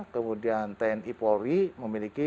kemudian tni polri memiliki